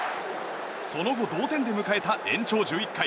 その後、同点で迎えた延長１１回。